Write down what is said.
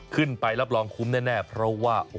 ได้รับรองคุ้มแน่เพราะว่า